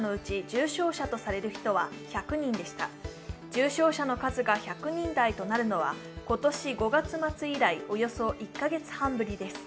重症者の数が１００人台となるのは今年５月末以来およそ１カ月半ぶりです。